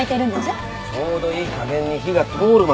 ちょうどいい加減に火が通るまで。